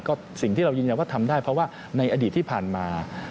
ก็สิ่งที่เรายืนยันว่าทำได้เพราะว่าในอดีตที่ผ่านมา